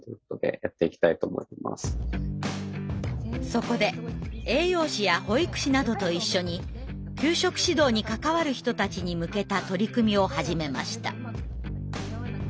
そこで栄養士や保育士などと一緒に給食指導に関わる人たちに向けた取り組みを始めました。